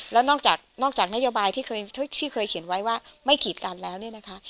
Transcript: แล้วนอกจากนอกจากนโยบายที่เคยเขียนไว้ว่าไม่กีดกันแล้วเนี่ยนะคะ